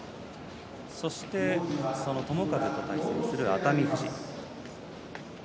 そして、その友風と対戦する熱海富士。